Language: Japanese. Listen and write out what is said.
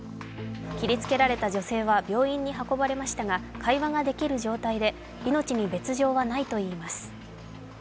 切りつけられた女性は病院に運ばれましたが、会話ができる状態で命に別状はないといいます。